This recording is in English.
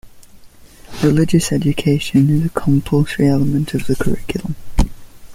Religious education is a compulsory element of the curriculum.